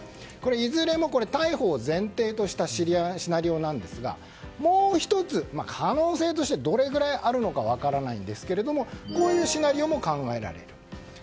いずれも逮捕を前提としたシナリオなんですがもう１つ、可能性としてどれくらいあるのか分からないんですがこういうシナリオも考えられる。